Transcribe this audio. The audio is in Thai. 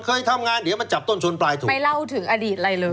เคยทำงานเดี๋ยวมันจับต้นชนปลายถูกไม่เล่าถึงอดีตอะไรเลย